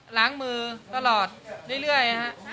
หลังมือตลอดเรื่อย